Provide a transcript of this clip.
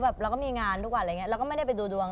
เราก็มีงานทุกวันอะไรอย่างเงี้เราก็ไม่ได้ไปดูดวง